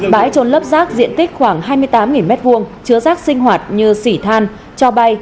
bãi trôn lấp rác diện tích khoảng hai mươi tám m hai chứa rác sinh hoạt như xỉ than cho bay